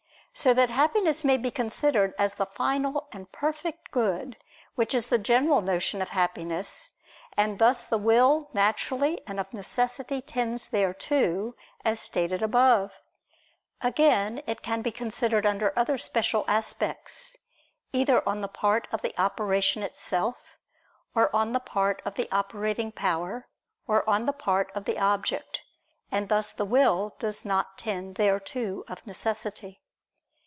So that happiness may be considered as the final and perfect good, which is the general notion of happiness: and thus the will naturally and of necessity tends thereto, as stated above. Again it can be considered under other special aspects, either on the part of the operation itself, or on the part of the operating power, or on the part of the object; and thus the will does not tend thereto of necessity.